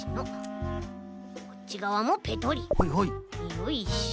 よいしょ。